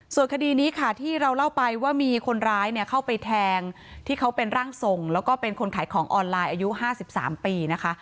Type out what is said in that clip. ส่วนคดีนี้ค่ะที่เราเล่าไปว่ามีคนร้ายเนี่ยเข้าไปแทงที่เขาเป็นร่างทรงแล้วก็เป็นคนขายของออนไลน์อายุ๕๓ปีนะคะ